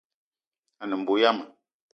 A ne mbo yama